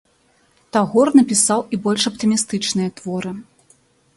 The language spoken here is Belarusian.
Тагор напісаў і больш аптымістычныя творы.